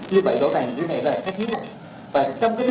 như vậy rõ ràng như thế này là thất hiếu rồi